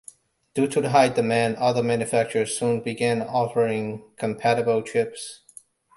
Due to the high demand, other manufacturers soon began offering compatible chips.